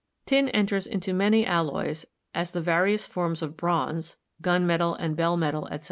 Tin enters into many alloys, as the various forms of bronze (gun metal and bell metal, etc.)